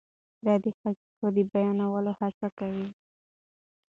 دی د حقایقو د بیانولو هڅه کوي.